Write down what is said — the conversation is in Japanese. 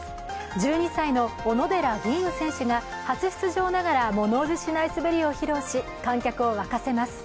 １２歳の小野寺吟雲選手が初出場ながら物怖じしない滑りを披露し観客を沸かせます。